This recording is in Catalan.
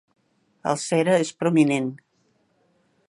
El cere és prominent.